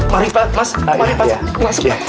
mari pan mas mas mas